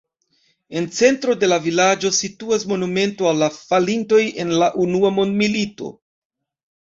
En centro de la vilaĝo situas monumento al la falintoj en la unua mondmilito.